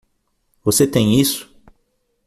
Você tem isso?